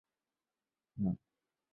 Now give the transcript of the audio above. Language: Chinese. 大埔道于郝德杰道后通往琵琶山段。